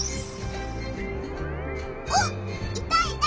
おっいたいた！